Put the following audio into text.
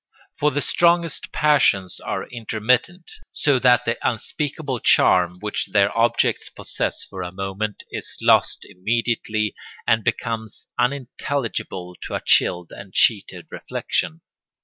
For the strongest passions are intermittent, so that the unspeakable charm which their objects possess for a moment is lost immediately and becomes unintelligible to a chilled and cheated reflection.